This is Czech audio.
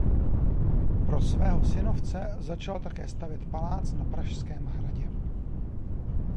Pro svého synovce začal také stavět palác na Pražském hradě.